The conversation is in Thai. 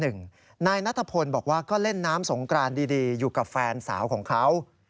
นายนัทพลบอกว่าก็เล่นน้ำสงกรานดีอยู่กับแฟนสาวของเขา